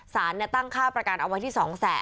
สารตั้งค่าประกันเอาไว้ที่๒แสน